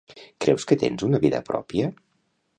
Creus que tens una vida pròpia?